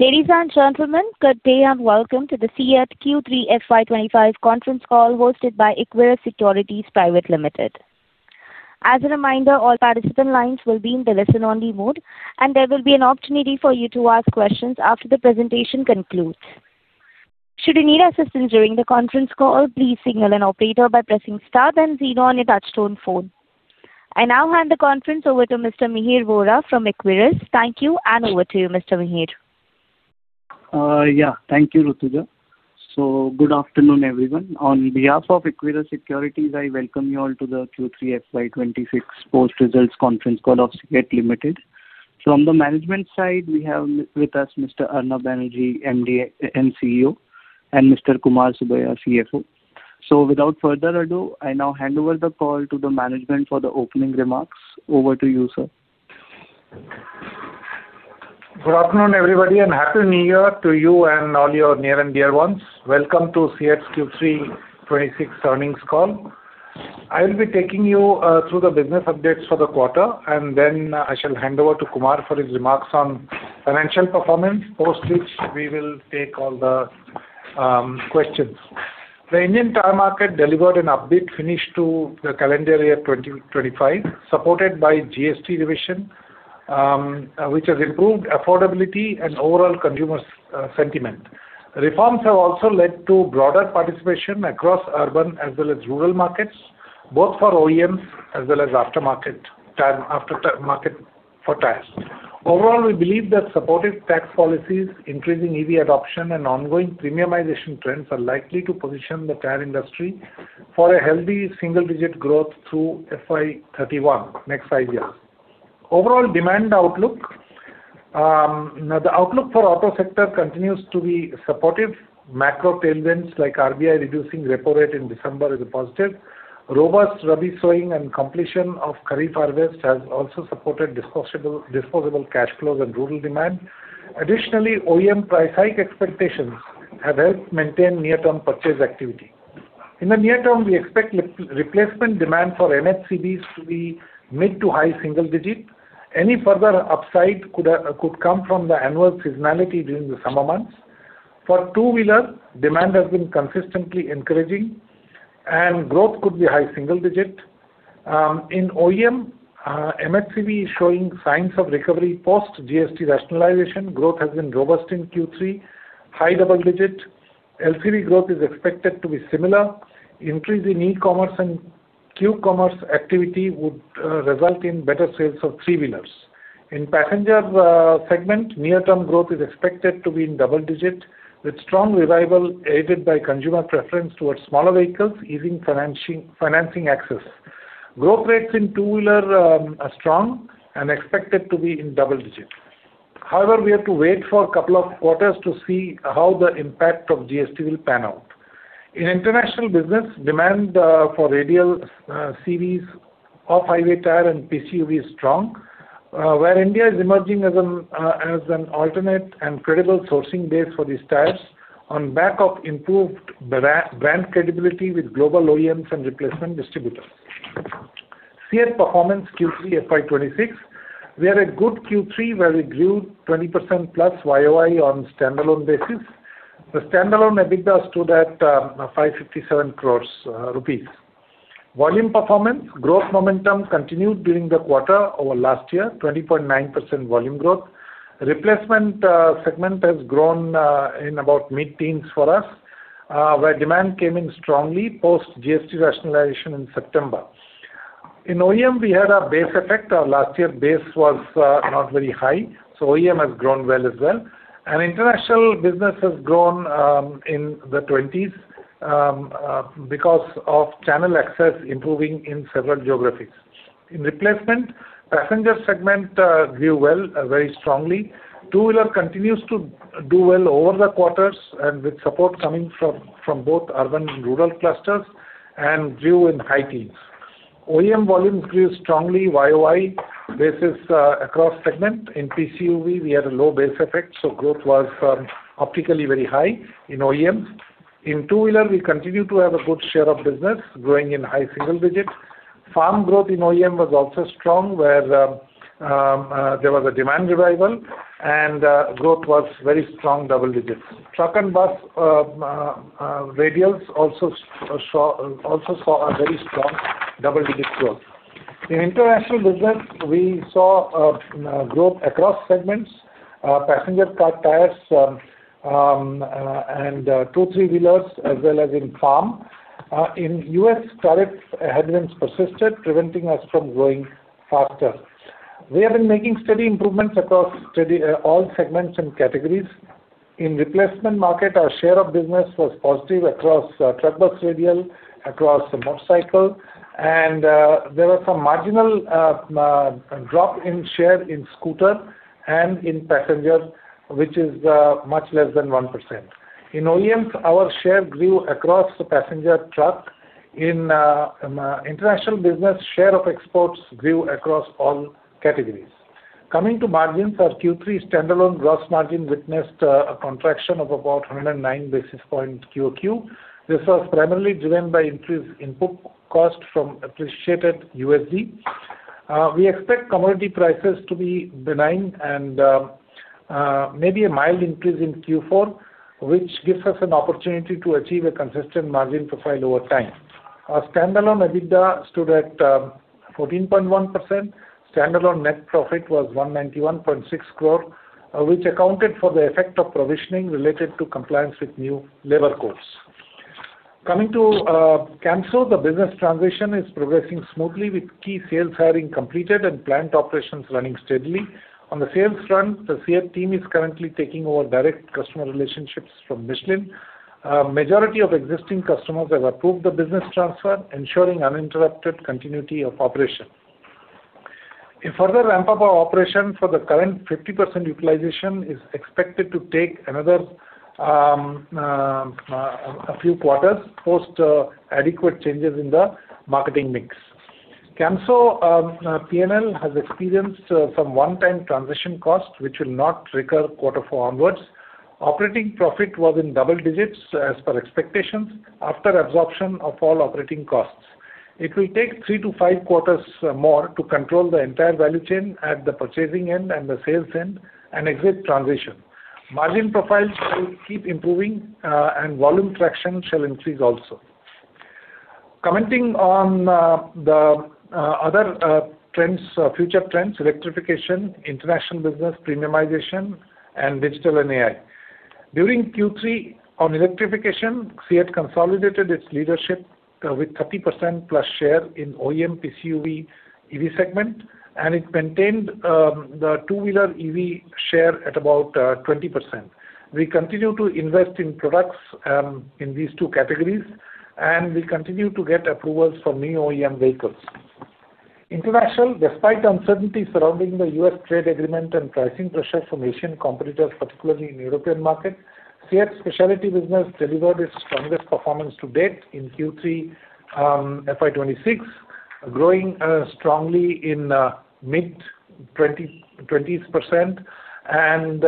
Ladies and gentlemen, good day and welcome to the CEAT Q3 FY2025 conference call hosted by Equirus Securities Private Limited. As a reminder, all participant lines will be in the listen-only mode, and there will be an opportunity for you to ask questions after the presentation concludes. Should you need assistance during the conference call, please signal an operator by pressing star then zero on your touch-tone phone. I now hand the conference over to Mr. Mihir Vora from Equirus. Thank you, and over to you, Mr. Mihir. Yeah, thank you, Ruthuja. So good afternoon, everyone. On behalf of Equirus Securities, I welcome you all to the Q3 FY2026 Post-Results Conference Call of CEAT Limited. From the management side, we have with us Mr. Arnab Banerjee, MD and CEO, and Mr. Kumar Subbiah, CFO. So without further ado, I now hand over the call to the management for the opening remarks. Over to you, sir. Good afternoon, everybody, and happy new year to you and all your near and dear ones. Welcome to CEAT Q3 2026 Earnings Call. I will be taking you through the business updates for the quarter, and then I shall hand over to Kumar for his remarks on financial performance, post which we will take all the questions. The Indian car market delivered an upbeat finish to the calendar year 2025, supported by GST revision, which has improved affordability and overall consumer sentiment. Reforms have also led to broader participation across urban as well as rural markets, both for OEMs as well as aftermarket for tires. Overall, we believe that supportive tax policies, increasing EV adoption, and ongoing premiumization trends are likely to position the tire industry for a healthy single-digit growth through FY2031 next five years. Overall demand outlook: the outlook for the auto sector continues to be supportive. Macro tailwinds like RBI reducing repo rate in December is positive. Robust Rabi sowing and completion of Kharif harvest has also supported disposable cash flows and rural demand. Additionally, OEM price hike expectations have helped maintain near-term purchase activity. In the near term, we expect replacement demand for MHCVs to be mid to high single-digit. Any further upside could come from the annual seasonality during the summer months. For two-wheeler, demand has been consistently encouraging, and growth could be high single-digit. In OEM, MHCV is showing signs of recovery post-GST rationalization. Growth has been robust in Q3, high double-digit. LCV growth is expected to be similar. Increase in e-commerce and Q-Commerce activity would result in better sales of three-wheelers. In passenger segment, near-term growth is expected to be in double digit, with strong revival aided by consumer preference towards smaller vehicles, easing financing access. Growth rates in two-wheeler are strong and expected to be in double digit. However, we have to wait for a couple of quarters to see how the impact of GST will pan out. In international business, demand for radial series of highway tire and PCUV is strong, where India is emerging as an alternate and credible sourcing base for these tires on back of improved brand credibility with global OEMs and replacement distributors. CEAT performance Q3 FY2026: We had a good Q3 where we grew 20% plus YoY on a standalone basis. The standalone EBITDA stood at 557 crores rupees. Volume performance: Growth momentum continued during the quarter over last year, 20.9% volume growth. Replacement segment has grown in about mid-teens for us, where demand came in strongly post-GST rationalization in September. In OEM, we had a base effect. Our last year base was not very high, so OEM has grown well as well, and international business has grown in the 20s% because of channel access improving in several geographies. In replacement, passenger segment grew well, very strongly. Two-wheeler continues to do well over the quarters, and with support coming from both urban and rural clusters, and grew in high teens%. OEM volumes grew strongly, YoY basis across segment. In PCUV, we had a low base effect, so growth was optically very high in OEMs. In two-wheeler, we continue to have a good share of business, growing in high single-digit%. Farm growth in OEM was also strong, where there was a demand revival, and growth was very strong, double digits%. Truck and bus radials also saw a very strong double-digit% growth. In international business, we saw growth across segments: passenger car tires and two- and three-wheelers, as well as in farm. In the U.S., tariff headwinds persisted, preventing us from growing faster. We have been making steady improvements across all segments and categories. In replacement market, our share of business was positive across truck-bus radial, across motorcycle, and there was some marginal drop in share in scooter and in passenger, which is much less than 1%. In OEMs, our share grew across passenger truck. In international business, share of exports grew across all categories. Coming to margins, our Q3 standalone gross margin witnessed a contraction of about 109 basis points QOQ. This was primarily driven by increased input cost from appreciated USD. We expect commodity prices to be benign and maybe a mild increase in Q4, which gives us an opportunity to achieve a consistent margin profile over time. Our standalone EBITDA stood at 14.1%, standalone net profit was 191.6 crore, which accounted for the effect of provisioning related to compliance with new Labour Codes. Coming to Camso, the business transition is progressing smoothly, with key sales hiring completed and planned operations running steadily. On the sales front, the CEAT team is currently taking over direct customer relationships from Michelin. The majority of existing customers have approved the business transfer, ensuring uninterrupted continuity of operation. A further ramp-up of operation for the current 50% utilization is expected to take another few quarters post adequate changes in the marketing mix. Camso P&L has experienced some one-time transition cost, which will not recur quarter four onwards. Operating profit was in double digits, as per expectations, after absorption of all operating costs. It will take three-to-five quarters more to control the entire value chain at the purchasing end and the sales end and exit transition. Margin profiles will keep improving, and volume traction shall increase also. Commenting on the other future trends: electrification, international business premiumization, and digital and AI. During Q3 on electrification, CEAT consolidated its leadership with 30% plus share in OEM PCUV EV segment, and it maintained the two-wheeler EV share at about 20%. We continue to invest in products in these two categories, and we continue to get approvals for new OEM vehicles. International, despite uncertainty surrounding the US trade agreement and pricing pressure from Asian competitors, particularly in European markets, CEAT specialty business delivered its strongest performance to date in Q3 FY2026, growing strongly in mid-20s, and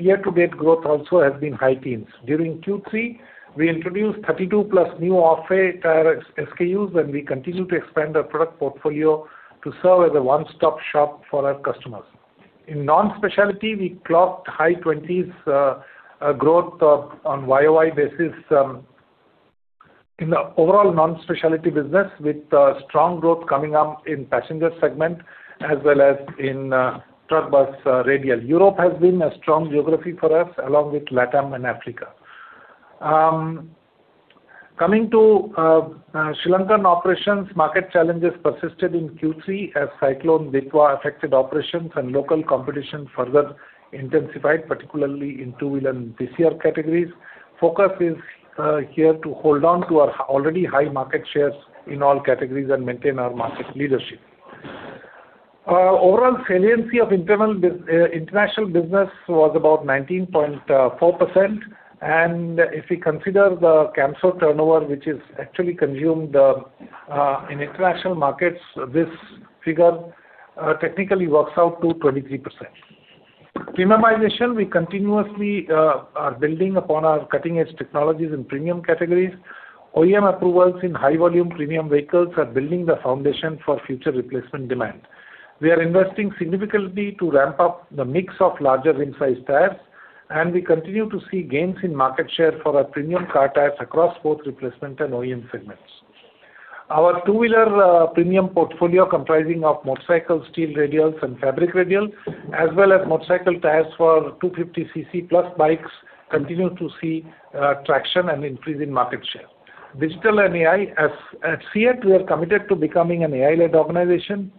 year-to-date growth also has been high teens. During Q3, we introduced 32 plus new off-highway tire SKUs, and we continue to expand our product portfolio to serve as a one-stop shop for our customers. In non-specialty, we clocked high 20s growth on YoY basis in the overall non-specialty business, with strong growth coming up in passenger segment as well as in truck-bus radial. Europe has been a strong geography for us, along with Latin and Africa. Coming to Sri Lankan operations, market challenges persisted in Q3 as Cyclone Dana affected operations, and local competition further intensified, particularly in two-wheeler and PCR categories. Focus is here to hold on to our already high market shares in all categories and maintain our market leadership. Overall salience of international business was about 19.4%, and if we consider the Camso turnover, which is actually consumed in international markets, this figure technically works out to 23%. Premiumization, we continuously are building upon our cutting-edge technologies in premium categories. OEM approvals in high-volume premium vehicles are building the foundation for future replacement demand. We are investing significantly to ramp up the mix of larger rim-sized tires, and we continue to see gains in market share for our premium car tires across both replacement and OEM segments. Our two-wheeler premium portfolio, comprising of motorcycle steel radials and fabric radial, as well as motorcycle tires for 250cc plus bikes, continues to see traction and increase in market share. Digital and AI: at CEAT, we are committed to becoming an AI-led organization.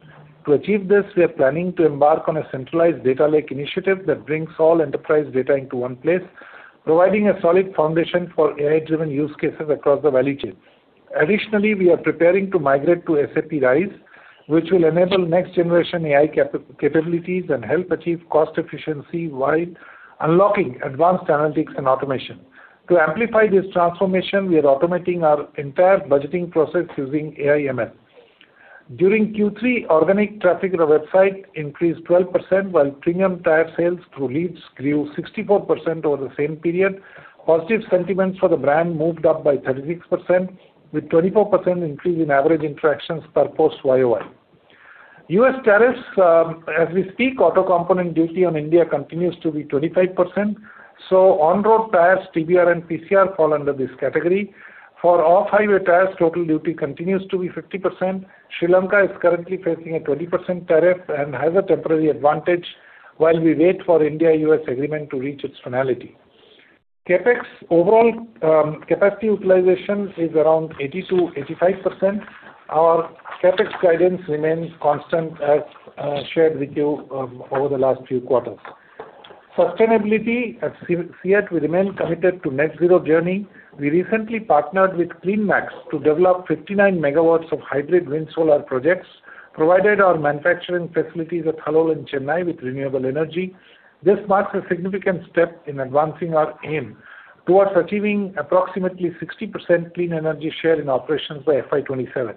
To achieve this, we are planning to embark on a centralized data lake initiative that brings all enterprise data into one place, providing a solid foundation for AI-driven use cases across the value chain. Additionally, we are preparing to migrate to SAP RISE, which will enable next-generation AI capabilities and help achieve cost efficiency while unlocking advanced analytics and automation. To amplify this transformation, we are automating our entire budgeting process using AI/ML. During Q3, organic traffic to our website increased 12%, while premium tire sales through leads grew 64% over the same period. Positive sentiments for the brand moved up by 36%, with 24% increase in average interactions per post YoY. U.S. tariffs: as we speak, auto component duty on India continues to be 25%. So, on-road tires, TBR, and PCR fall under this category. For off-highway tires, total duty continues to be 50%. Sri Lanka is currently facing a 20% tariff and has a temporary advantage while we wait for India-U.S. agreement to reach its finality. CapEx: overall capacity utilization is around 80% to 85%. Our CapEx guidance remains constant, as shared with you over the last few quarters. Sustainability: at CEAT, we remain committed to net-zero journey. We recently partnered with CleanMax to develop 59 megawatts of hybrid wind solar projects, provided our manufacturing facilities at Halol and Chennai with renewable energy. This marks a significant step in advancing our aim towards achieving approximately 60% clean energy share in operations by FY2027.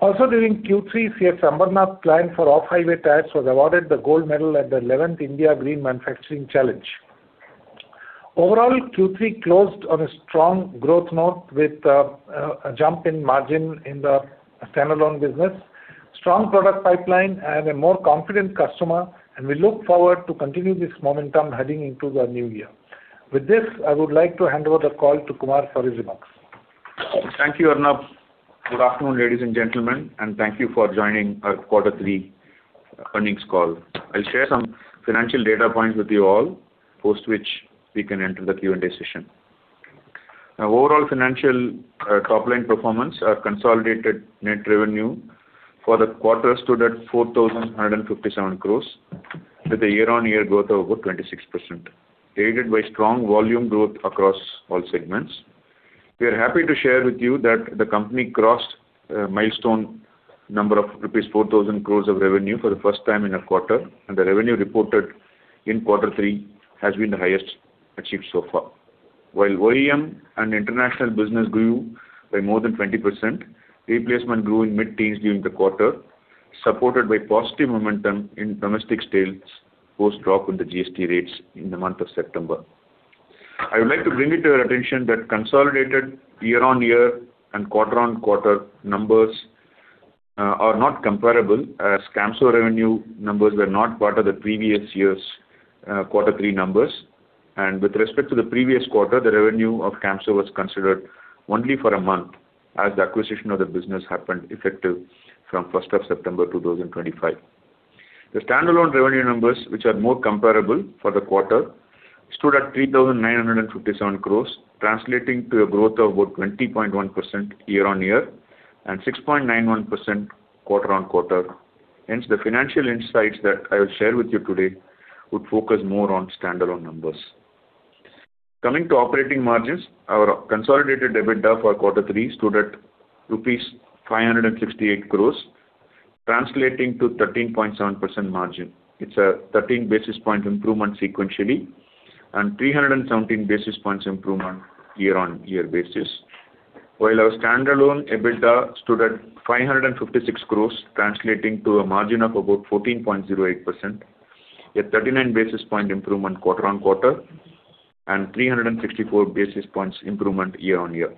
Also, during Q3, CEAT's Ambarnath for off-highway tires was awarded the gold medal at the 11th India Green Manufacturing Challenge. Overall, Q3 closed on a strong growth note with a jump in margin in the standalone business, strong product pipeline, and a more confident customer, and we look forward to continuing this momentum heading into the new year. With this, I would like to hand over the call to Kumar Subbiah for his remarks. Thank you, Arnab. Good afternoon, ladies and gentlemen, and thank you for joining our quarter three earnings call. I'll share some financial data points with you all, post which we can enter the Q&A session. Overall financial top-line performance: our consolidated net revenue for the quarter stood at 4,157 crore, with a year-on-year growth of about 26%, aided by strong volume growth across all segments. We are happy to share with you that the company crossed milestone number of rupees 4,000 crore of revenue for the first time in a quarter, and the revenue reported in quarter three has been the highest achieved so far. While OEM and international business grew by more than 20%, replacement grew in mid-teens during the quarter, supported by positive momentum in domestic sales post drop in the GST rates in the month of September. I would like to bring it to your attention that consolidated year-on-year and quarter-on-quarter numbers are not comparable, as Camso revenue numbers were not part of the previous year's quarter three numbers. And with respect to the previous quarter, the revenue of Camso was considered only for a month, as the acquisition of the business happened effective from 1st of September 2025. The standalone revenue numbers, which are more comparable for the quarter, stood at 3,957 crore, translating to a growth of about 20.1% year-on-year and 6.91% quarter-on-quarter. Hence, the financial insights that I will share with you today would focus more on standalone numbers. Coming to operating margins, our consolidated EBITDA for quarter three stood at rupees 568 crore, translating to 13.7% margin. It's a 13 basis point improvement sequentially and 317 basis points improvement year-on-year basis. While our standalone EBITDA stood at 556 crore, translating to a margin of about 14.08%, a 39 basis point improvement quarter-on-quarter, and 364 basis points improvement year-on-year.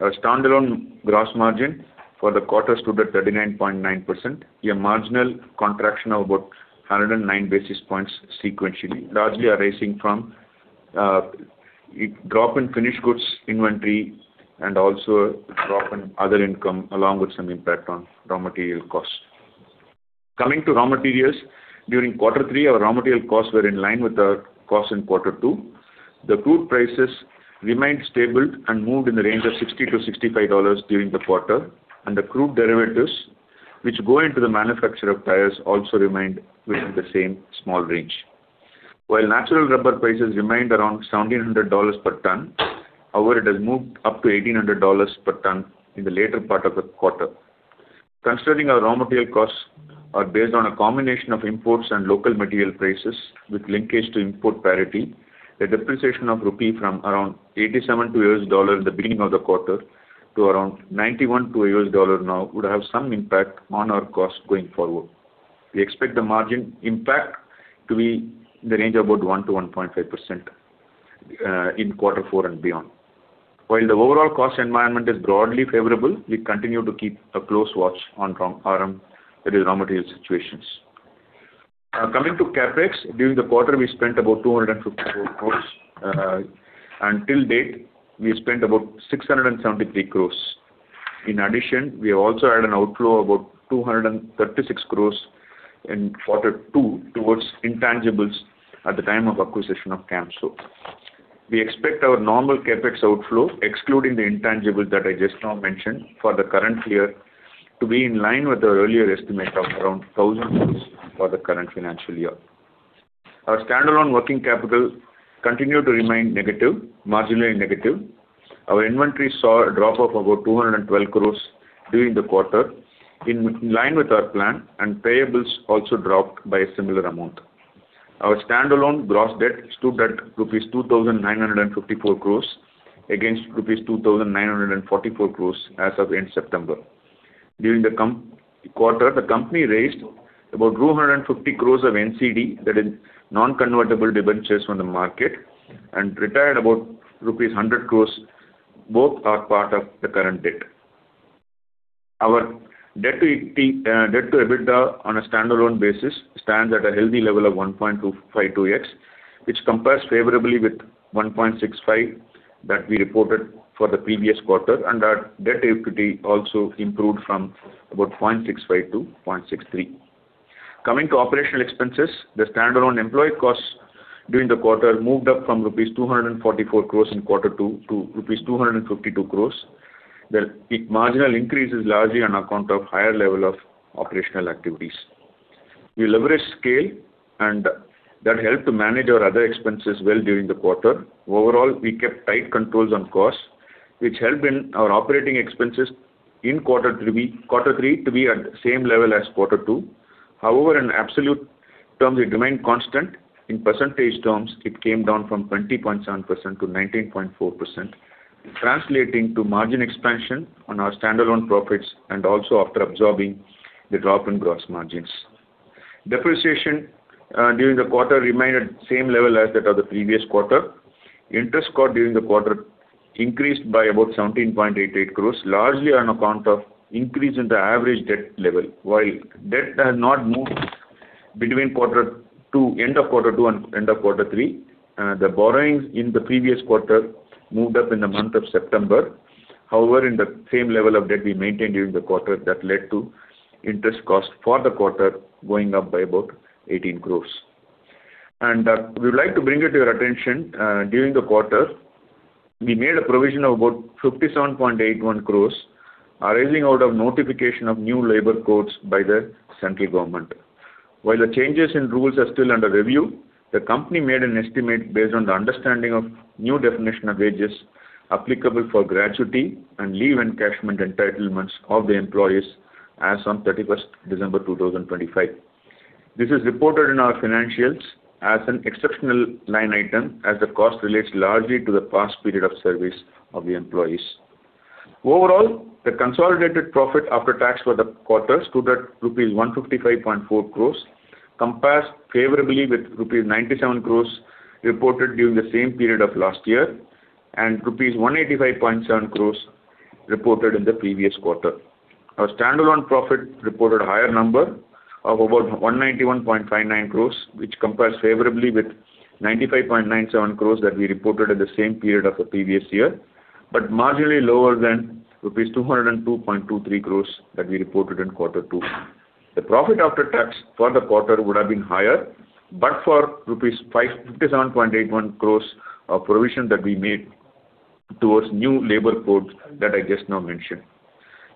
Our standalone gross margin for the quarter stood at 39.9%, a marginal contraction of about 109 basis points sequentially, largely arising from a drop in finished goods inventory and also a drop in other income, along with some impact on raw material costs. Coming to raw materials, during quarter three, our raw material costs were in line with our costs in quarter two. The crude prices remained stable and moved in the range of $60 to $65 during the quarter, and the crude derivatives, which go into the manufacture of tires, also remained within the same small range. While natural rubber prices remained around $1,700 per ton, however, it has moved up to $1,800 per ton in the later part of the quarter. Considering our raw material costs are based on a combination of imports and local material prices with linkage to import parity, the depreciation of 87 USD in the beginning of the quarter to around $91 now would have some impact on our costs going forward. We expect the margin impact to be in the range of about 1% to 1.5% in quarter four and beyond. While the overall cost environment is broadly favorable, we continue to keep a close watch on, that is, raw material situations. Coming to CapEx, during the quarter, we spent about 254 crore. Until date, we spent about 673 crore. In addition, we also had an outflow of about 236 crore in quarter two towards intangibles at the time of acquisition of Camso. We expect our normal CapEx outflow, excluding the intangibles that I just now mentioned for the current year, to be in line with our earlier estimate of around 1,000 crore for the current financial year. Our standalone working capital continued to remain negative, marginally negative. Our inventory saw a drop of about 212 crore during the quarter, in line with our plan, and payables also dropped by a similar amount. Our standalone gross debt stood at rupees 2,954 crore against rupees 2,944 crore as of end September. During the quarter, the company raised about 250 crore of NCD, that is non-convertible debentures from the market, and retired about rupees 100 crore. Both are part of the current debt. Our debt-to-EBITDA on a standalone basis stands at a healthy level of 1.252x, which compares favorably with 1.65 that we reported for the previous quarter, and our debt-to-equity also improved from about 0.65 to 0.63. Coming to operational expenses, the standalone employee costs during the quarter moved up from rupees 244 crore in quarter two to rupees 252 crore. The marginal increase is largely on account of a higher level of operational activities. We leveraged scale, and that helped to manage our other expenses well during the quarter. Overall, we kept tight controls on costs, which helped in our operating expenses in quarter three to be at the same level as quarter two. However, in absolute terms, it remained constant. In percentage terms, it came down from 20.7% to 19.4%, translating to margin expansion on our standalone profits and also after absorbing the drop in gross margins. Depreciation during the quarter remained at the same level as that of the previous quarter. Interest cost during the quarter increased by about 17.88 crore, largely on account of an increase in the average debt level. While debt has not moved between end of quarter two and end of quarter three, the borrowings in the previous quarter moved up in the month of September. However, in the same level of debt we maintained during the quarter, that led to interest cost for the quarter going up by about 18 crore, and we would like to bring it to your attention: during the quarter, we made a provision of about 57.81 crore, arising out of notification of new Labour Codes by the central government. While the changes in rules are still under review, the company made an estimate based on the understanding of the new definition of wages applicable for gratuity and leave encashment entitlements of the employees as of 31st December 2025. This is reported in our financials as an exceptional line item, as the cost relates largely to the past period of service of the employees. Overall, the consolidated profit after tax for the quarter stood at rupees 155.4 crore, compares favorably with rupees 97 crore reported during the same period of last year, and rupees 185.7 crore reported in the previous quarter. Our standalone profit reported a higher number of about 191.59 crore, which compares favorably with 95.97 crore that we reported at the same period of the previous year, but marginally lower than rupees 202.23 crore that we reported in quarter two. The profit after tax for the quarter would have been higher, but for rupees 57.81 crore of provision that we made towards new labor codes that I just now mentioned.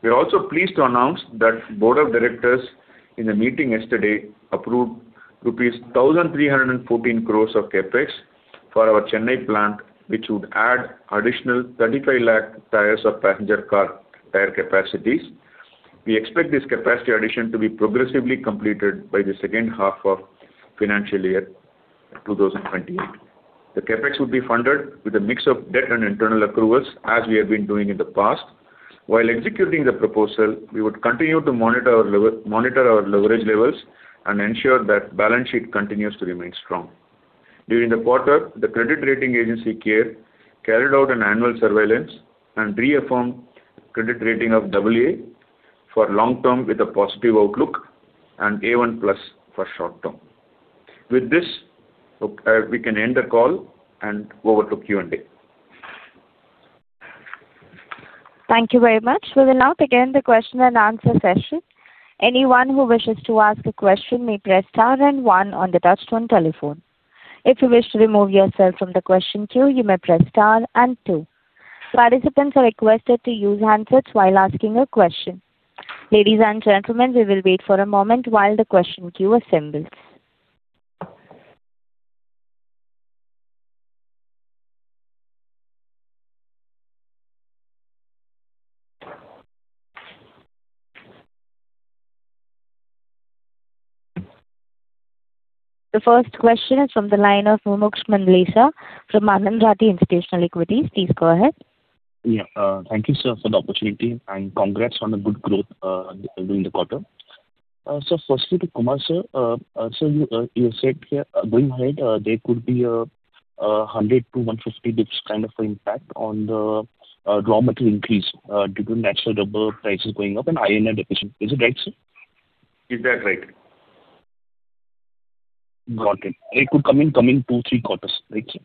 We are also pleased to announce that the Board of Directors in a meeting yesterday approved rupees 1,314 crore of CapEx for our Chennai plant, which would add additional 35 lakh tires of passenger car tire capacities. We expect this capacity addition to be progressively completed by the second half of financial year 2028. The CapEx would be funded with a mix of debt and internal accruals, as we have been doing in the past. While executing the proposal, we would continue to monitor our leverage levels and ensure that the balance sheet continues to remain strong. During the quarter, the credit rating agency CARE carried out an annual surveillance and reaffirmed the credit rating of AA for long term with a positive outlook and A1 plus for short term. With this, we can end the call and over to Q&A. Thank you very much. We will now begin the question and answer session. Anyone who wishes to ask a question may press star and one on the touchscreen telephone. If you wish to remove yourself from the question queue, you may press star and two. Participants are requested to use handsets while asking a question. Ladies and gentlemen, we will wait for a moment while the question queue assembles. The first question is from the line of Mumuksh Mandlesha from Anand Rathi Institutional Equities. Please go ahead. Yeah, thank you, sir, for the opportunity, and congrats on the good growth during the quarter. So firstly, to Kumar sir, so you said here going ahead, there could be a 100 to 150 basis points kind of impact on the raw material increase due to natural rubber prices going up and iron deficiency. Is it right, sir? Is that right? Got it. It could come in the coming two, three quarters, right, sir?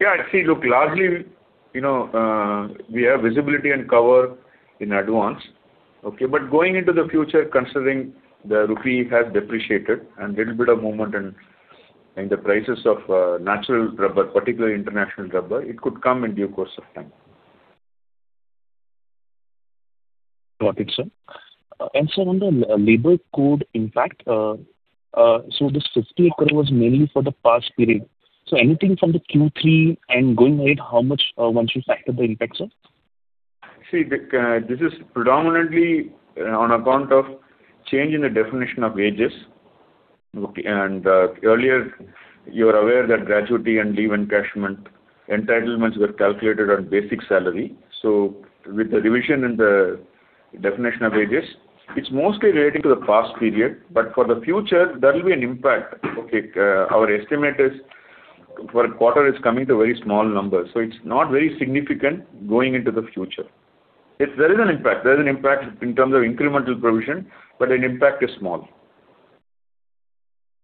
Yeah, I see. Look, largely, you know we have visibility and cover in advance. Okay, but going into the future, considering the rupee has depreciated and a little bit of movement in the prices of natural rubber, particularly international rubber, it could come in due course of time. Got it, sir. And sir, on the labor code impact, so this 50 crore was mainly for the past period. So anything from the Q3 and going ahead, how much once you factor the impact, sir? See, this is predominantly on account of change in the definition of wages. And earlier, you are aware that gratuity and leave and encashment entitlements were calculated on basic salary. So with the revision in the definition of wages, it's mostly relating to the past period, but for the future, there will be an impact. Okay, our estimate is for a quarter is coming to a very small number. So it's not very significant going into the future. There is an impact. There is an impact in terms of incremental provision, but the impact is small.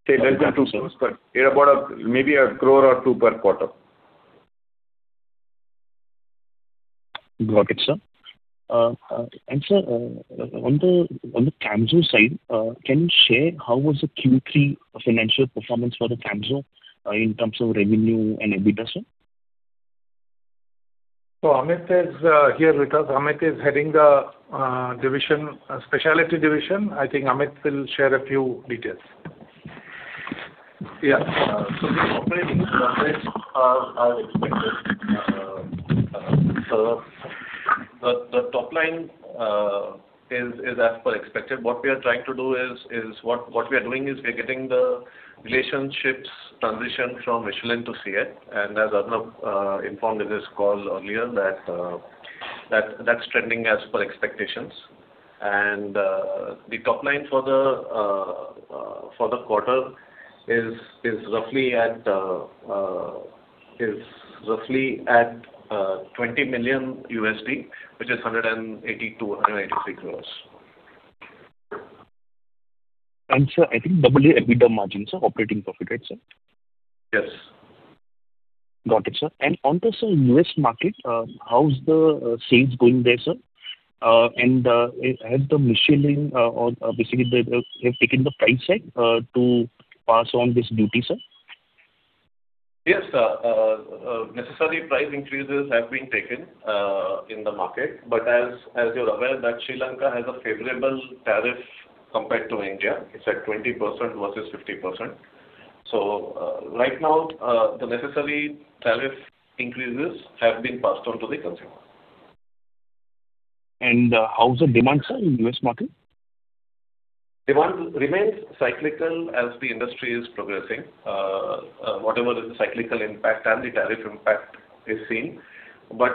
Say less than 2 crore, but maybe 1 crore or 2 per quarter. Got it, sir. And sir, on the Camso side, can you share how was the Q3 financial performance for the Camso in terms of revenue and EBITDA, sir? So Amit is here, Amit is heading the specialty division. I think Amit will share a few details. Yeah, so the operating numbers are as expected. The top line is as per expected. What we are trying to do is we are getting the relationships transition from Michelin to CEAT. And as Arnab informed in this call earlier, that's trending as per expectations. The top line for the quarter is roughly at $20 million, which is 182 to 183 crores. Sir, I think our EBITDA margins, sir, operating profit, right, sir? Yes. Got it, sir. On the U.S. market, how's the sales going there, sir? Has Michelin basically taken the price hike to pass on this duty, sir? Yes, sir. Necessary price increases have been taken in the market. But as you're aware, Sri Lanka has a favorable tariff compared to India. It's at 20% versus 50%. So right now, the necessary tariff increases have been passed on to the consumer. How's the demand, sir, in the U.S. market? Demand remains cyclical as the industry is progressing. Whatever is the cyclical impact and the tariff impact is seen. But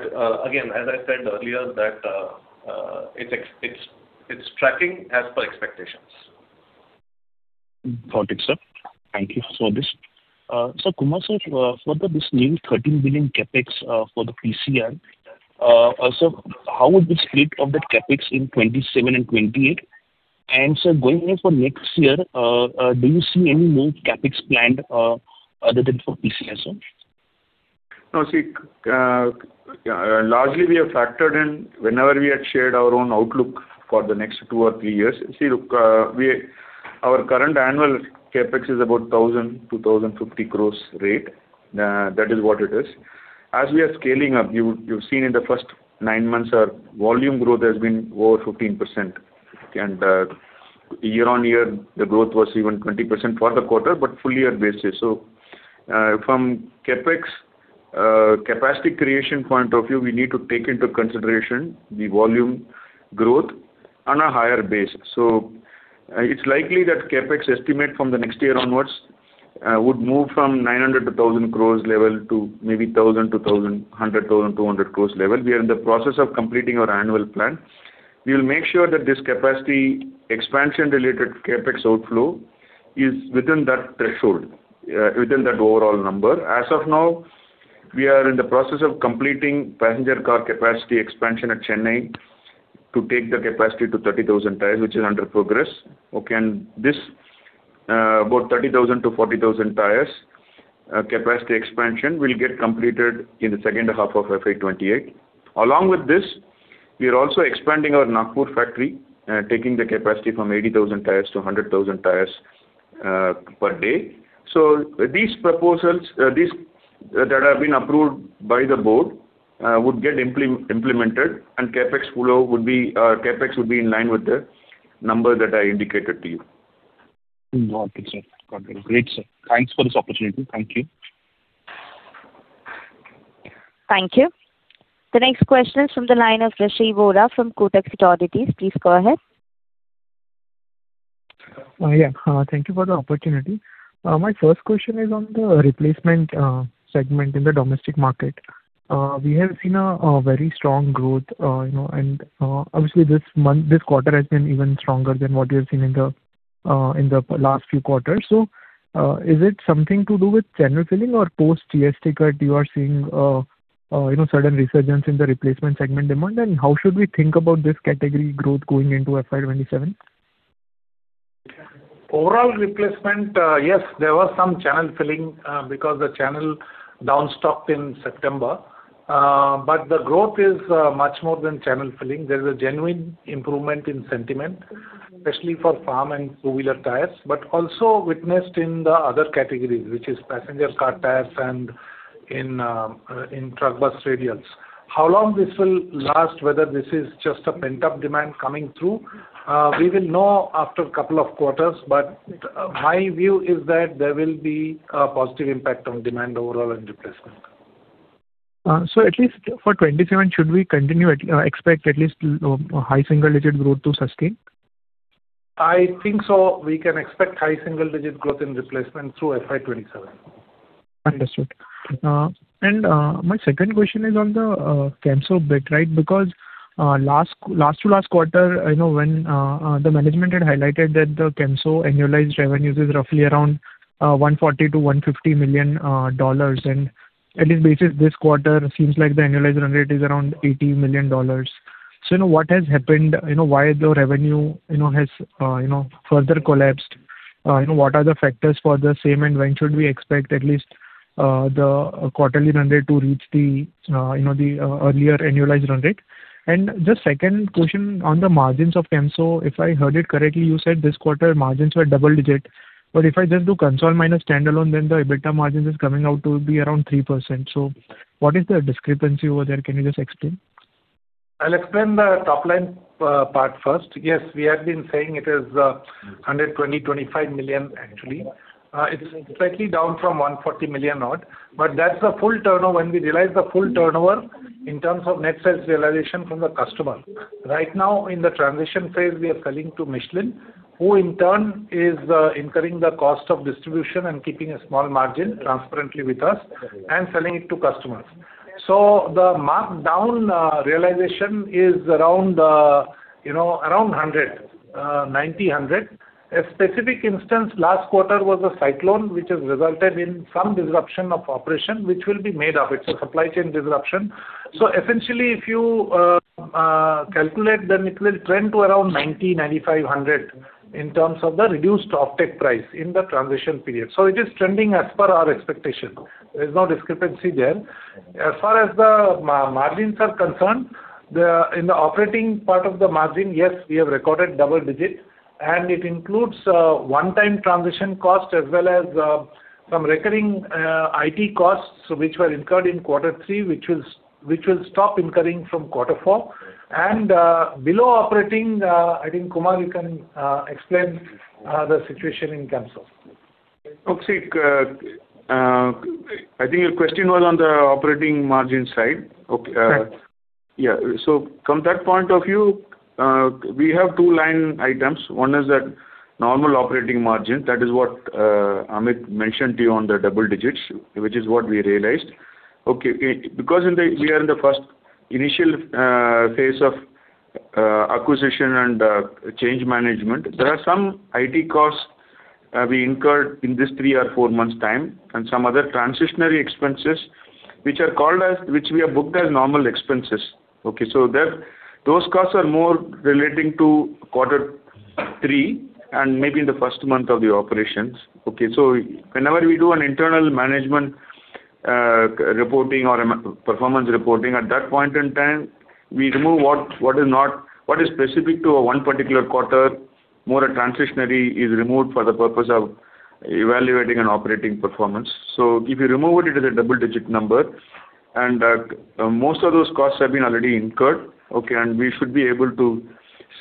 again, as I said earlier, it's tracking as per expectations. Got it, sir. Thank you for this. So Kumar sir, for this new 13 billion CapEx for the PCR, sir, how would you split of that CapEx in 2027 and 2028? And sir, going for next year, do you see any more CapEx planned other than for PCR, sir? No, see, largely we have factored in whenever we had shared our own outlook for the next two or three years. See, look, our current annual CapEx is about 1,000 to 1,050 crore rate. That is what it is. As we are scaling up, you've seen in the first nine months, our volume growth has been over 15%. And year on year, the growth was even 20% for the quarter, but fully at basis. So from CapEx capacity creation point of view, we need to take into consideration the volume growth on a higher basis. It's likely that CapEx estimate from the next year onwards would move from 900 to 1,000 crore level to maybe 1,000 to 100, 1,200 crore level. We are in the process of completing our annual plan. We will make sure that this capacity expansion related CapEx outflow is within that threshold, within that overall number. As of now, we are in the process of completing passenger car capacity expansion at Chennai to take the capacity to 30,000 tires, which is under progress. Okay, and this about 30,000 to 40,000 tires capacity expansion will get completed in the second half of FY2028. Along with this, we are also expanding our Nagpur factory, taking the capacity from 80,000 tires to 100,000 tires per day. So these proposals that have been approved by the board would get implemented, and CapEx flow would be CapEx would be in line with the number that I indicated to you. Got it, sir. Got it. Great, sir. Thanks for this opportunity. Thank you. Thank you. The next question is from the line of Rishi Vora from Kotak Securities. Please go ahead. Yeah, thank you for the opportunity. My first question is on the replacement segment in the domestic market. We have seen a very strong growth, and obviously, this quarter has been even stronger than what we have seen in the last few quarters. So is it something to do with channel filling or post GST cut you are seeing a sudden resurgence in the replacement segment demand? And how should we think about this category growth going into FY2027? Overall replacement, yes, there was some channel filling because the channel destocked in September. But the growth is much more than channel filling. There is a genuine improvement in sentiment, especially for farm and two-wheeler tires, but also witnessed in the other categories, which is passenger car tires and in truck bus radials. How long this will last, whether this is just a pent-up demand coming through, we will know after a couple of quarters, but my view is that there will be a positive impact on demand overall and replacement. So at least for '27, should we continue to expect at least high single-digit growth to sustain? I think so. We can expect high single-digit growth in replacement through FY2027. Understood. And my second question is on the Camso bit, right? Because last two quarters, I know when the management had highlighted that the Camso annualized revenues is roughly around $140 to $150 million, and at least this quarter seems like the annualized run rate is around $80 million. So what has happened? Why the revenue has further collapsed? What are the factors for the same, and when should we expect at least the quarterly run rate to reach the earlier annualized run rate? And just second question on the margins of Camso, if I heard it correctly, you said this quarter margins were double-digit. But if I just do consolidated minus standalone, then the EBITDA margins are coming out to be around 3%. So what is the discrepancy over there? Can you just explain? I'll explain the top line part first. Yes, we have been saying it is 120 to 125 million, actually. It's slightly down from 140 million odd, but that's the full turnover when we realize the full turnover in terms of net sales realization from the customer. Right now, in the transition phase, we are selling to Michelin, who in turn is incurring the cost of distribution and keeping a small margin transparently with us and selling it to customers. So the markdown realization is around 100, 90, 100. A specific instance last quarter was a cyclone, which has resulted in some disruption of operation, which will be made up. It's a supply chain disruption. So essentially, if you calculate then, it will trend to around 90, 95, 100 in terms of the reduced OHT price in the transition period. So it is trending as per our expectation. There is no discrepancy there. As far as the margins are concerned, in the operating part of the margin, yes, we have recorded double-digit, and it includes one-time transition cost as well as some recurring IT costs, which were incurred in quarter three, which will stop incurring from quarter four. And below operating, I think Kumar, you can explain the situation in Camso. Look, see, I think your question was on the operating margin side. Okay. Yeah. So from that point of view, we have two line items. One is that normal operating margin. That is what Amit mentioned to you on the double digits, which is what we realized. Okay. Because we are in the first initial phase of acquisition and change management, there are some IT costs we incurred in this three or four months' time and some other transitional expenses, which are called as, which we have booked as normal expenses. Okay. So those costs are more relating to quarter three and maybe in the first month of the operations. Okay. So whenever we do an internal management reporting or performance reporting at that point in time, we remove what is specific to a one particular quarter, more a transitory is removed for the purpose of evaluating and operating performance. So if you remove it, it is a double-digit number. And most of those costs have been already incurred. Okay. And we should be able to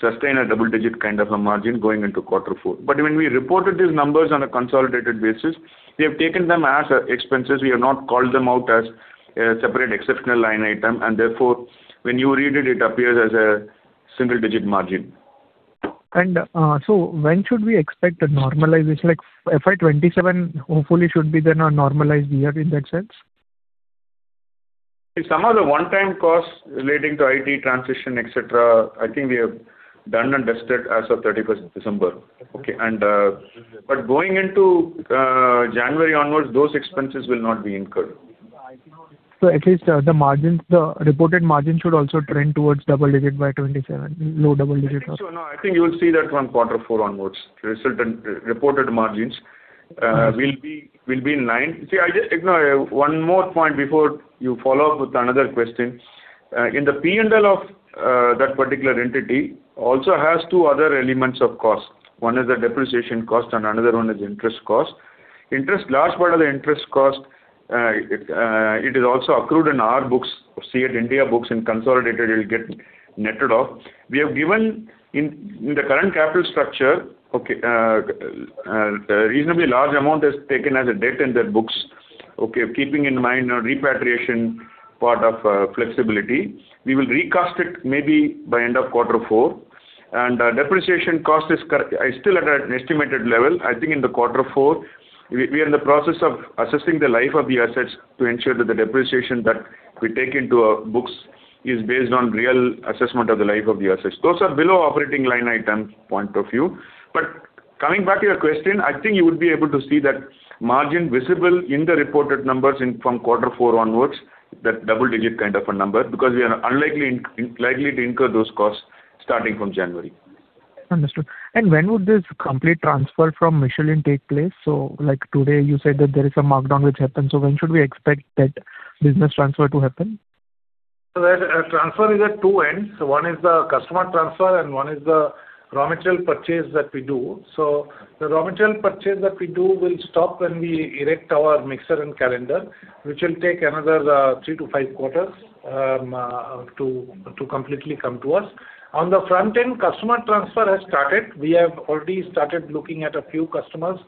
sustain a double-digit kind of a margin going into quarter four. But when we reported these numbers on a consolidated basis, we have taken them as expenses. We have not called them out as a separate exceptional line item. And therefore, when you read it, it appears as a single-digit margin. And so when should we expect a normalization? Like FY2027, hopefully, should be then a normalized year in that sense. Some of the one-time costs relating to IT transition, etc., I think we have done and dusted as of 31st December. Okay. But going into January onwards, those expenses will not be incurred. So at least the reported margin should also trend towards double-digit by 2027, low double-digit margin. Sure. No, I think you will see that from quarter four onwards. Reported margins will be in line. See, one more point before you follow up with another question. In the P&L of that particular entity also has two other elements of cost. One is the depreciation cost, and another one is interest cost. Interest, large part of the interest cost, it is also accrued in our books, see at India Books and consolidated, it will get netted off. We have given in the current capital structure, okay, a reasonably large amount is taken as a debt in the books. Okay. Keeping in mind repatriation part of flexibility, we will recast it maybe by end of quarter four, and depreciation cost is still at an estimated level. I think in the quarter four, we are in the process of assessing the life of the assets to ensure that the depreciation that we take into books is based on real assessment of the life of the assets. Those are below operating line item point of view, but coming back to your question, I think you would be able to see that margin visible in the reported numbers from quarter four onwards, that double-digit kind of a number, because we are unlikely to incur those costs starting from January. Understood, and when would this complete transfer from Michelin take place? So like today, you said that there is a markdown which happens, so when should we expect that business transfer to happen? So there's a transfer at two ends. One is the customer transfer, and one is the raw material purchase that we do. So the raw material purchase that we do will stop when we erect our mixer and calender, which will take another three-to-five quarters to completely come to us. On the front end, customer transfer has started. We have already started looking at a few customers.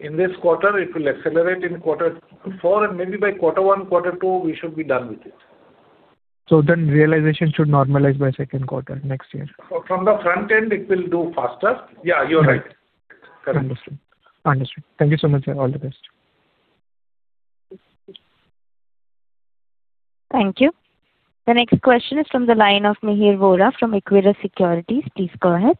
In this quarter, it will accelerate in quarter four, and maybe by quarter one, quarter two, we should be done with it. So then realization should normalize by second quarter next year. From the front end, it will do faster? Yeah, you're right. Correct. Understood. Understood. Thank you so much, sir. All the best. Thank you. The next question is from the line of Mihir Vora from Equirus Securities. Please go ahead.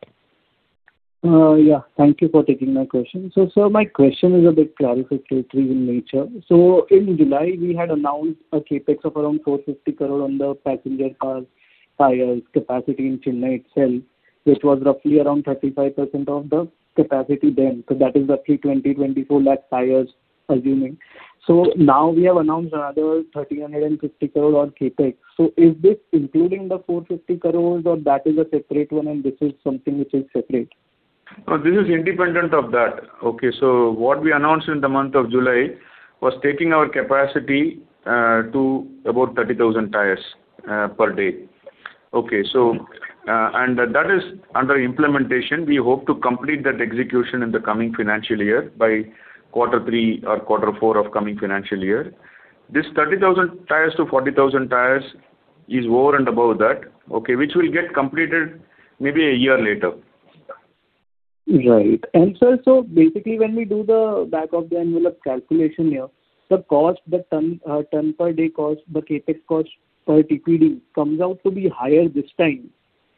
Yeah. Thank you for taking my question. So sir, my question is a bit clarificatory in nature. So in July, we had announced a CapEx of around 450 crore on the passenger car tires capacity in Chennai itself, which was roughly around 35% of the capacity then. So that is the 3.24 lakh tires, assuming. So now we have announced another 1,350 crore on CapEx. So is this including the 450 crore, or that is a separate one, and this is something which is separate? This is independent of that. Okay. So what we announced in the month of July was taking our capacity to about 30,000 tires per day. Okay. And that is under implementation. We hope to complete that execution in the coming financial year by quarter three or quarter four of coming financial year. This 30,000 tires to 40,000 tires is over and above that, okay, which will get completed maybe a year later. Right, and sir, so basically, when we do the back-of-the-envelope calculation here, the cost, the ton per day cost, the CapEx cost per TPD comes out to be higher this time,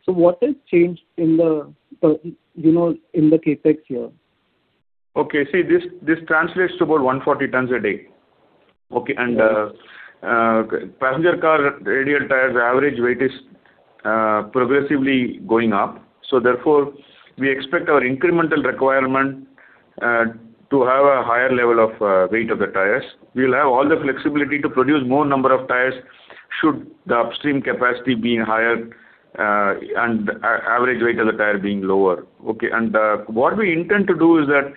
so what has changed in the CapEx here? Okay. See, this translates to about 140 tons a day. Okay, and passenger car radial tires' average weight is progressively going up, so therefore, we expect our incremental requirement to have a higher level of weight of the tires. We will have all the flexibility to produce more number of tires should the upstream capacity being higher and average weight of the tire being lower. Okay. What we intend to do is that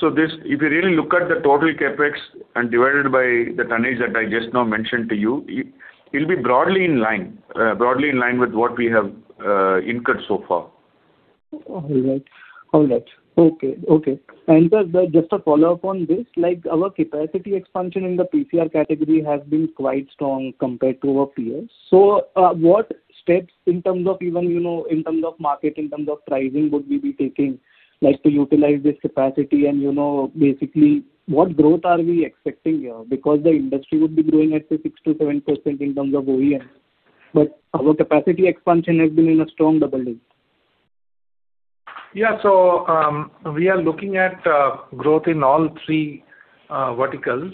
so if you really look at the total CapEx and divided by the tonnage that I just now mentioned to you, it will be broadly in line, broadly in line with what we have incurred so far. All right. All right. Okay. Okay. Sir, just a follow-up on this. Like our capacity expansion in the PCR category has been quite strong compared to our peers. So what steps in terms of even in terms of market, in terms of pricing, would we be taking to utilize this capacity? And basically, what growth are we expecting here? Because the industry would be growing at the 6% to 7% in terms of OEM, but our capacity expansion has been in a strong double digit. Yeah, so we are looking at growth in all three verticals.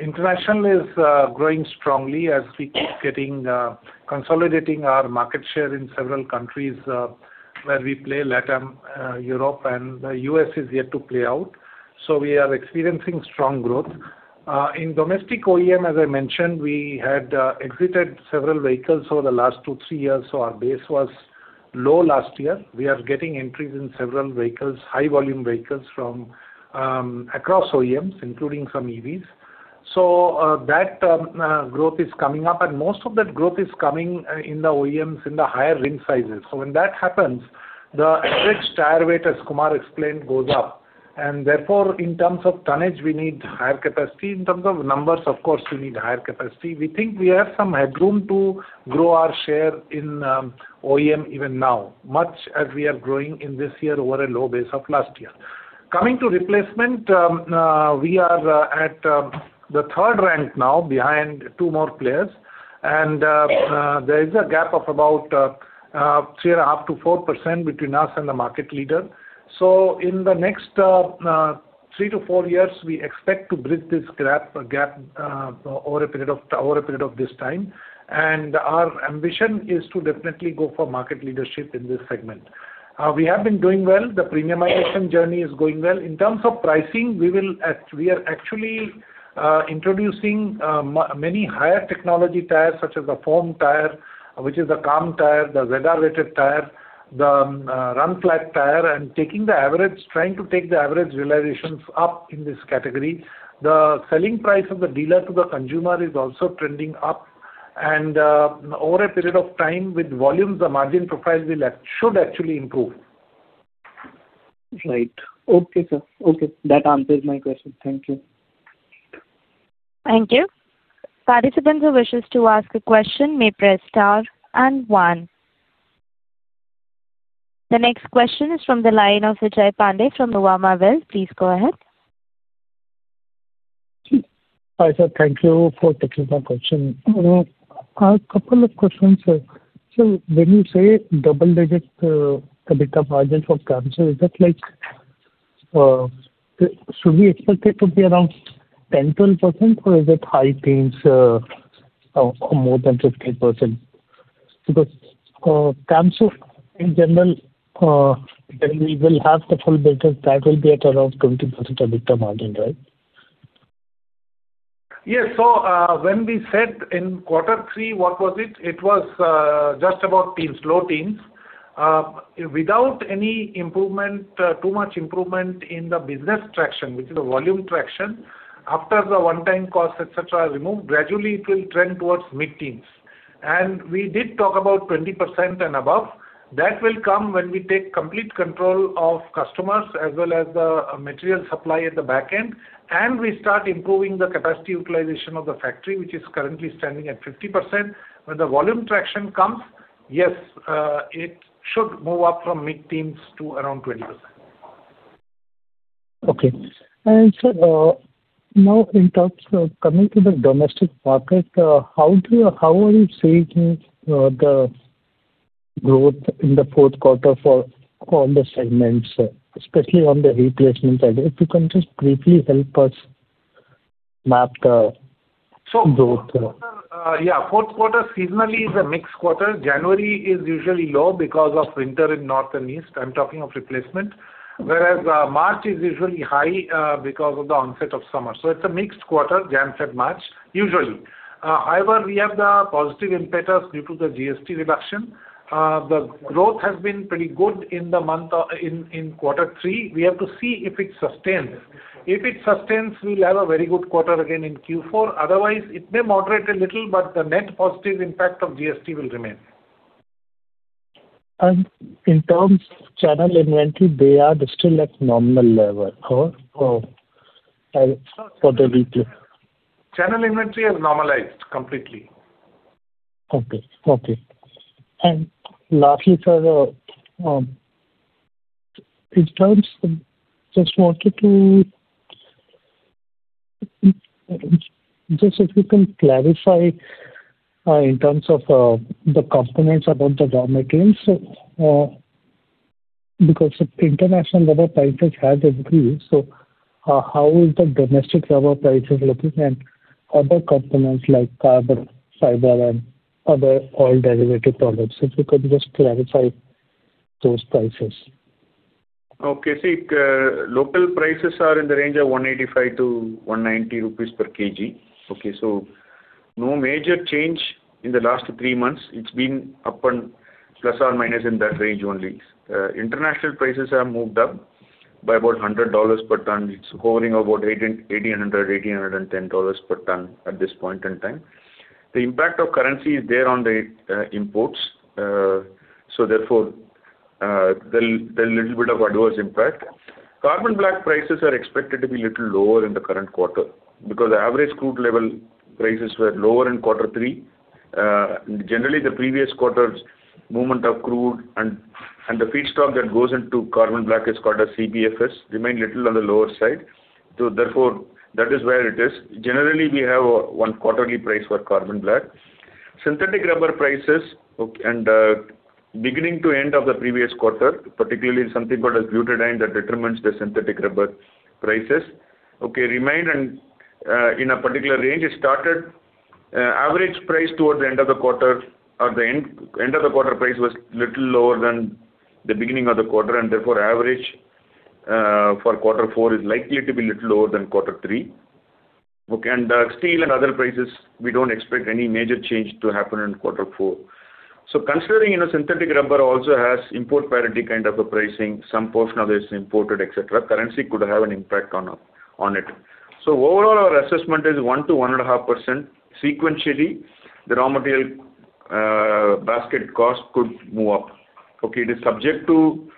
International is growing strongly as we keep consolidating our market share in several countries where we play: Latin, Europe, and the US is yet to play out. So we are experiencing strong growth. In domestic OEM, as I mentioned, we had exited several vehicles over the last two, three years. So our base was low last year. We are getting entries in several vehicles, high-volume vehicles from across OEMs, including some EVs. So that growth is coming up, and most of that growth is coming in the OEMs in the higher rim sizes. So when that happens, the average tire weight, as Kumar explained, goes up. And therefore, in terms of tonnage, we need higher capacity. In terms of numbers, of course, we need higher capacity. We think we have some headroom to grow our share in OEM even now, much as we are growing in this year over a low base of last year. Coming to replacement, we are at the third rank now behind two more players, and there is a gap of about 3.5% to 4% between us and the market leader, so in the next three to four years, we expect to bridge this gap over a period of this time, and our ambition is to definitely go for market leadership in this segment. We have been doing well. The premiumization journey is going well. In terms of pricing, we are actually introducing many higher technology tires such as the foam tire, which is a Camso tire, the Z-rated tire, the run-flat tire, and taking the average, trying to take the average realizations up in this category. The selling price of the dealer to the consumer is also trending up. And over a period of time, with volumes, the margin profile should actually improve. Right. Okay, sir. Okay. That answers my question. Thank you. Thank you. Participants who wish to ask a question may press star and one. The next question is from the line of Vijay Banerjee from Nuvama Wealth. Please go ahead. Hi, sir. Thank you for taking my question. A couple of questions, sir. So when you say double-digit EBITDA margin for Camso, is that like should we expect it to be around 10, 12%, or is it high teens or more than 15%? Because Camso, in general, when we will have the full build-up, that will be at around 20% EBITDA margin, right? Yes. So when we said in quarter three, what was it? It was just about teens, low teens. Without any improvement, too much improvement in the business traction, which is a volume traction, after the one-time costs, etc., are removed, gradually it will trend towards mid-teens, and we did talk about 20% and above. That will come when we take complete control of customers as well as the material supply at the back end, and we start improving the capacity utilization of the factory, which is currently standing at 50%. When the volume traction comes, yes, it should move up from mid-teens to around 20%. Okay, and sir, now in terms of coming to the domestic market, how are you seeing the growth in the fourth quarter for all the segments, especially on the replacement side? If you can just briefly help us map the growth. Yeah, fourth quarter seasonally is a mixed quarter. January is usually low because of winter in north and east. I'm talking of replacement, whereas March is usually high because of the onset of summer. So it's a mixed quarter, Jan to Feb, March, usually. However, we have the positive impetus due to the GST reduction. The growth has been pretty good in the month in quarter three. We have to see if it sustains. If it sustains, we'll have a very good quarter again in Q4. Otherwise, it may moderate a little, but the net positive impact of GST will remain. And in terms of channel inventory, they are still at normal level or for the replacement? Channel inventory has normalized completely. Okay. Okay. And lastly, sir, in terms of just wanted to if you can clarify in terms of the components about the raw materials, because international rubber prices have increased, so how is the domestic rubber prices looking and other components like carbon, fiber, and other oil-derivative products? If you could just clarify those prices. Okay. See, local prices are in the range of 185 to 190 rupees per kg. Okay. So no major change in the last three months. It's been up and plus or minus in that range only. International prices have moved up by about $100 per ton. It's hovering about $1,800 to $1,810 per ton at this point in time. The impact of currency is there on the imports. So therefore, there's a little bit of adverse impact. Carbon black prices are expected to be a little lower in the current quarter because the average crude level prices were lower in quarter three. Generally, the previous quarter's movement of crude and the feedstock that goes into carbon black is called a CBFS, remained a little on the lower side. So therefore, that is where it is. Generally, we have one quarterly price for carbon black. Synthetic rubber prices from beginning to end of the previous quarter, particularly something called butadiene that determines the synthetic rubber prices, remained in a particular range. The average price toward the end of the quarter or the end of the quarter price was a little lower than the beginning of the quarter. And therefore, average for quarter four is likely to be a little lower than quarter three. And steel and other prices, we don't expect any major change to happen in quarter four. So considering synthetic rubber also has import parity kind of a pricing, some portion of it is imported, etc., currency could have an impact on it. So overall, our assessment is 1%-1.5%. Sequentially, the raw material basket cost could move up. It is subject to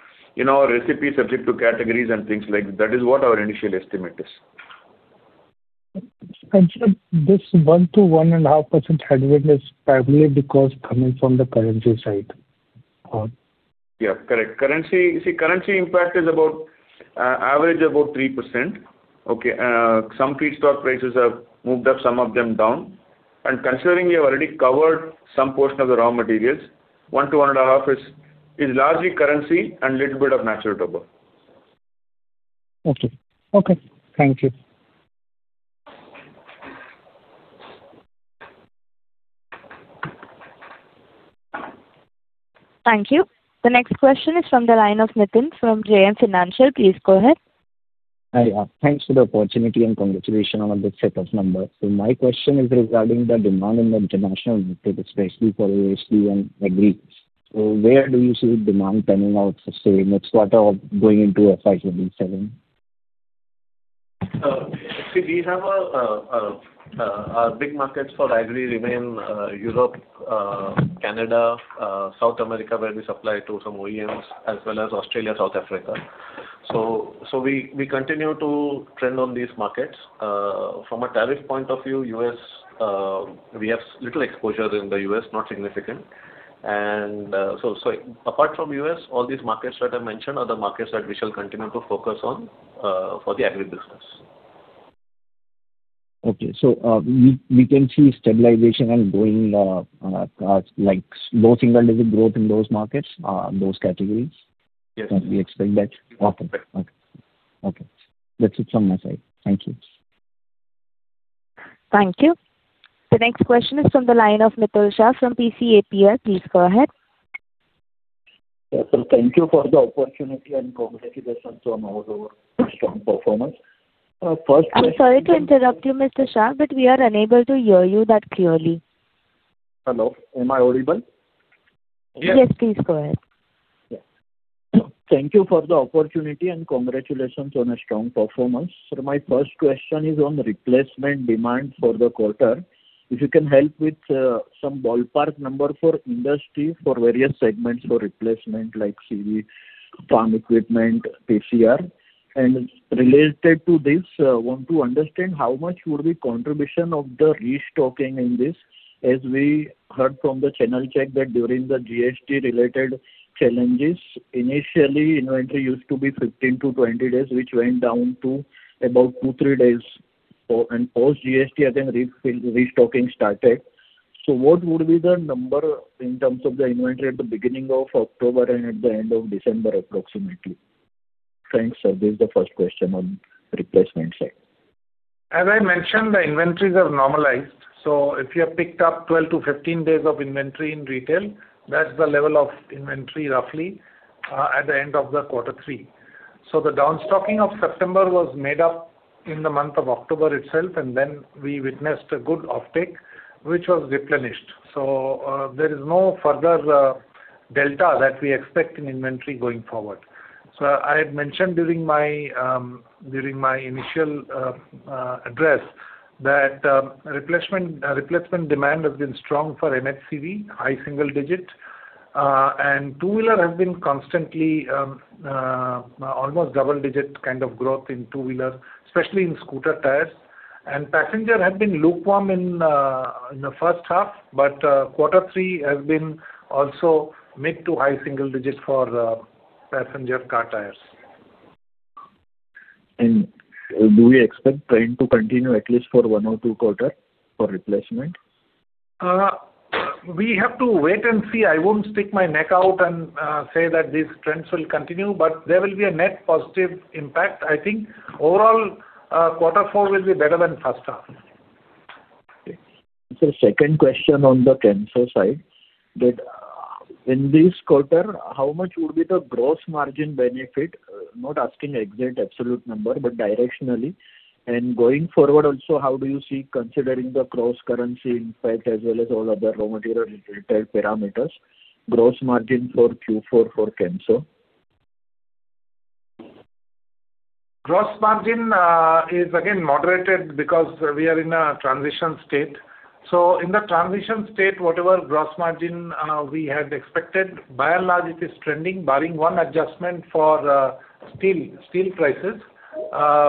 our recipe, subject to categories and things like that. That is what our initial estimate is. And sir, this 1% to 1.5% headwind is probably because coming from the currency side. Yeah. Correct. Currency, see, currency impact is on average about 3%. Okay. Some feedstock prices have moved up, some of them down. And considering we have already covered some portion of the raw materials, 1% to 1.5% is largely currency and a little bit of natural rubber. Okay. Okay. Thank you. Thank you. The next question is from the line of Nitin from JM Financial. Please go ahead. Hi. Thanks for the opportunity and congratulations on the set of numbers, so my question is regarding the demand in the international market, especially for OHT and agri. So where do you see demand—turning out for, say, next quarter or going into FY2027? See, we have our big markets for agri remain Europe, Canada, South America, where we supply to some OEMs, as well as Australia, South Africa. So we continue to trend on these markets. From a tariff point of view, we have little exposure in the US, not significant. And so apart from US, all these markets that I mentioned are the markets that we shall continue to focus on for the agri business. Okay. So we can see stabilization and going like low single-digit growth in those markets, those categories. Yes. We expect that. Okay. Okay. That's it from my side. Thank you. Thank you. The next question is from the line of Mitul Shah from PL Capital. Please go ahead. Thank you for the opportunity and congratulations on all of our strong performance. First question. I'm sorry to interrupt you, Mr. Shah, but we are unable to hear you that clearly. Hello. Am I audible? Yes, please go ahead. Yes. Thank you for the opportunity and congratulations on a strong performance. Sir, my first question is on replacement demand for the quarter. If you can help with some ballpark number for industry for various segments for replacement like CV, farm equipment, PCR. And related to this, I want to understand how much would be contribution of the restocking in this. As we heard from the channel check that during the GST-related challenges, initially, inventory used to be 15 to 20 days, which went down to about two, three days. And post-GST, again, restocking started. So what would be the number in terms of the inventory at the beginning of October and at the end of December, approximately? Thanks, sir. This is the first question on replacement side. As I mentioned, the inventories have normalized. So if you have picked up 12 to 15 days of inventory in retail, that's the level of inventory roughly at the end of the quarter three. So the downstocking of September was made up in the month of October itself, and then we witnessed a good offtake, which was replenished. So there is no further delta that we expect in inventory going forward. So I had mentioned during my initial address that replacement demand has been strong for MHCV, high single-digit, and two-wheeler has been constantly almost double-digit kind of growth in two-wheeler, especially in scooter tires. And passenger had been lukewarm in the first half, but quarter three has been also mid to high single-digit for passenger car tires. And do we expect trend to continue at least for one or two quarters for replacement? We have to wait and see. I won't stick my neck out and say that these trends will continue, but there will be a net positive impact. I think overall, quarter four will be better than first half. Okay. Sir, second question on the Camso side. In this quarter, how much would be the gross margin benefit? Not asking exact absolute number, but directionally. And going forward also, how do you see considering the cross-currency impact as well as all other raw material-related parameters, gross margin for Q4 for Camso? Gross margin is, again, moderated because we are in a transition state. So in the transition state, whatever gross margin we had expected, by and large, it is trending, barring one adjustment for steel prices,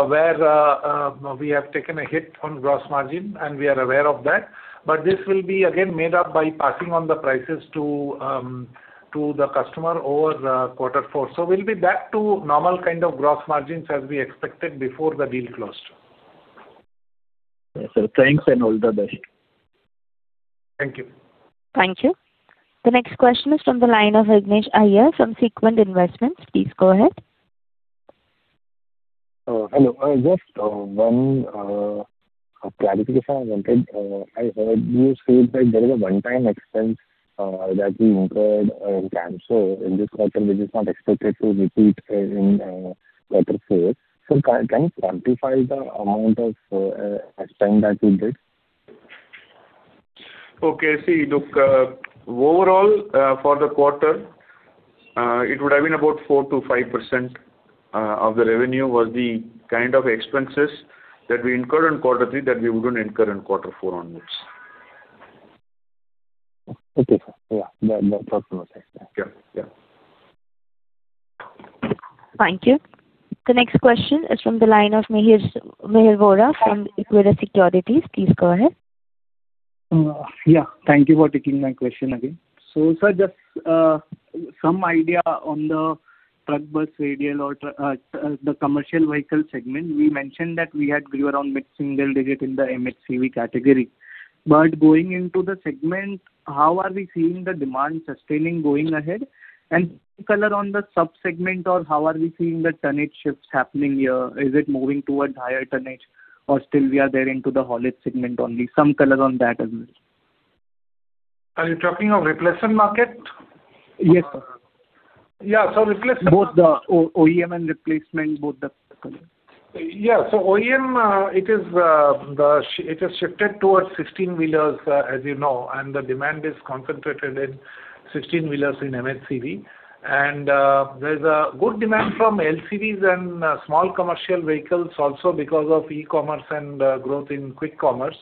where we have taken a hit on gross margin, and we are aware of that. But this will be, again, made up by passing on the prices to the customer over quarter four. So we'll be back to normal kind of gross margins as we expecte d before the deal closed. Yes, sir. Thanks, and all the best. Thank you. Thank you. The next question is from the line of Vignesh Iyer from Sequent Investments. Please go ahead. Hello. Just one clarification I wanted. I heard you say that there is a one-time expense that we incurred in Camso in this quarter, which is not expected to repeat in quarter four. Sir, can you quantify the amount of expense that we did? Okay. See, look, overall, for the quarter, it would have been about 4% to 5% of the revenue was the kind of expenses that we incurred in quarter three that we wouldn't incur in quarter four onwards. Okay. Yeah. That's what I was expecting. Yeah. Yeah. Thank you. The next question is from the line of Mihir Vora from Equirus Securities. Please go ahead. Yeah. Thank you for taking my question again. So, sir, just some idea on the truck bus radial or the commercial vehicle segment. We mentioned that we had grown mid-single digit in the MHCV category. But going into the segment, how are we seeing the demand sustaining going ahead? And color on the subsegment, or how are we seeing the turning shifts happening here? Is it moving toward higher turning? Or still we are there into the haulage segment only? Some color on that as well. Are you talking of replacement market? Yes, sir. Yeah. So replacement. Both the OEM and replacement, both the. Yeah. So OEM, it has shifted towards 16-wheelers, as you know, and the demand is concentrated in 16-wheelers in MHCV. There's a good demand from LCVs and small commercial vehicles also because of e-commerce and growth in quick commerce.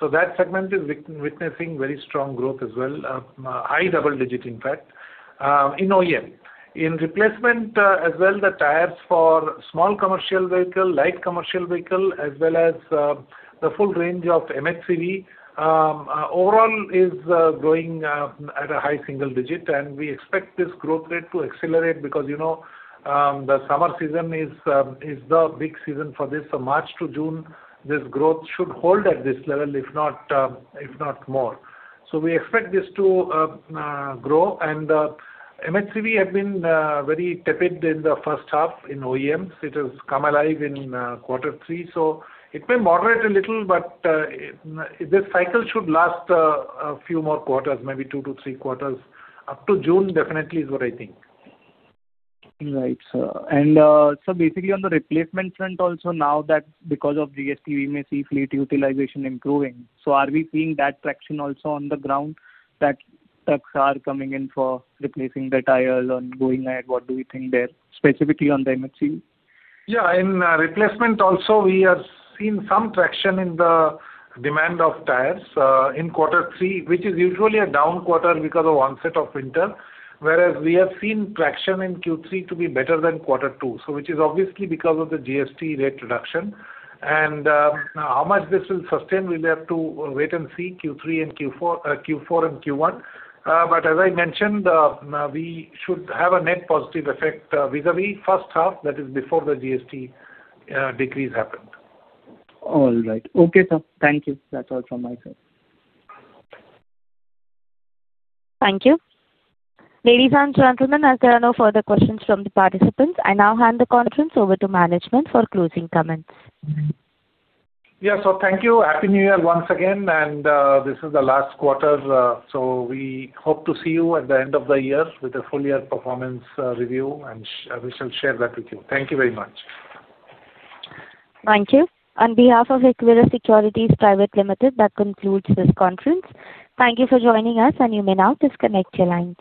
So that segment is witnessing very strong growth as well, high double-digit, in fact, in OEM. In replacement as well, the tires for small commercial vehicle, light commercial vehicle, as well as the full range of MHCV overall is growing at a high single digit. And we expect this growth rate to accelerate because the summer season is the big season for this. So March to June, this growth should hold at this level, if not more. So we expect this to grow. And MHCV had been very tepid in the first half in OEMs. It has come alive in quarter three. So it may moderate a little, but this cycle should last a few more quarters, maybe two to three quarters, up to June, definitely, is what I think. Right. And sir, basically on the replacement front also, now that because of GST, we may see fleet utilization improving. So are we seeing that traction also on the ground that trucks are coming in for replacing the tires and going ahead? What do we think there, specifically on the MHCV? Yeah. In replacement also, we have seen some traction in the demand of tires in quarter three, which is usually a down quarter because of onset of winter, whereas we have seen traction in Q3 to be better than quarter two, which is obviously because of the GST rate reduction. And how much this will sustain, we'll have to wait and see Q4 and Q1. But as I mentioned, we should have a net positive effect vis-à-vis first half, that is, before the GST decrease happened. All right. Okay, sir. Thank you. That's all from my side. Thank you. Ladies and gentlemen, as there are no further questions from the participants, I now hand the conference over to management for closing comments. Yes. So thank you. Happy New Year once again. And this is the last quarter. So we hope to see you at the end of the year with a full-year performance review, and we shall share that with you. Thank you very much. Thank you. On behalf of Equirus Securities Private Limited, that concludes this conference. Thank you for joining us, and you may now disconnect your line.